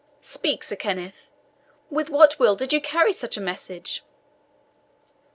Speak, Sir Kenneth, with what will did you carry such a message?"